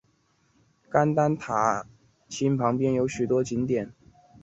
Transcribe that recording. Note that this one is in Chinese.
甘丹塔钦旁边有许多景点。